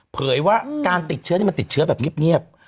เผยว่าการติดเชื้อมันติดเชื้อแบบเงียบ